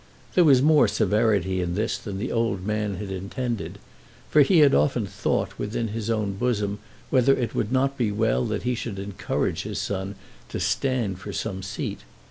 There was more severity in this than the old man had intended, for he had often thought within his own bosom whether it would not be well that he should encourage his son to stand for some seat.